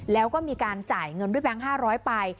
แล้วก็มีการจ่ายเงินด้วยแบงค์๕๐๐ไป